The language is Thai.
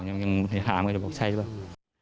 ยังถามกันบอกใช่หรือเปล่า